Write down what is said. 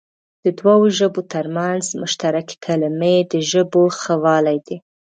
د دوو ژبو تر منځ مشترکې کلمې د ژبو ښهوالی دئ.